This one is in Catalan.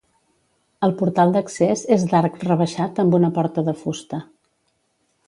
El portal d'accés és d'arc rebaixat amb una porta de fusta.